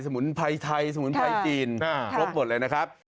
มุนไพรไทยสมุนไพรจีนครบหมดเลยนะครับ